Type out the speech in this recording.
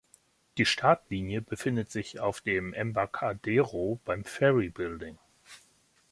Die Startlinie befindet sich auf dem Embarcadero beim Ferry Building.